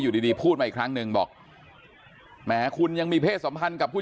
ดีพูดมาอีกครั้งหนึ่งบอกแหมคุณยังมีเพศสัมพันธ์กับผู้